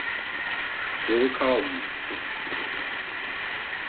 Wohl kaum.